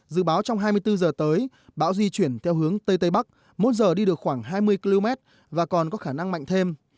dự báo trong hai mươi bốn giờ tới bão di chuyển theo hướng tây tây bắc mỗi giờ đi được khoảng hai mươi km và còn có khả năng mạnh thêm